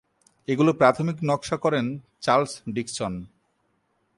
এগুলোর প্রাথমিক নকশা করেন চার্লস ডিক্সন।